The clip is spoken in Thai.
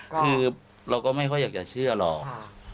คือเราก็ไม่ค่อยอยากจะเชื่อหรอก